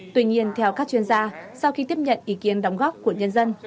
tuy nhiên theo các chuyên gia sau khi tiếp nhận ý kiến đóng góp của nhân dân